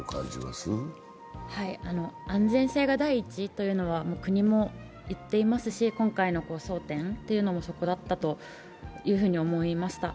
安全性が第一というのは国も言っていますし、今回の争点というのもそこだったというふうに思いました。